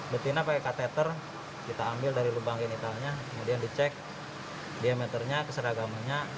betina pakai kateter kita ambil dari lubang genitalnya kemudian dicek diameternya keseragamannya